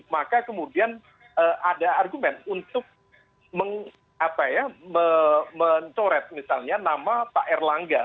maka kemudian ada argumen untuk mencoret misalnya nama pak erlangga